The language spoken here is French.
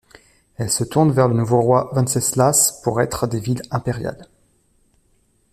Elles se tournent vers le nouveau roi Venceslas pour être des villes impériales.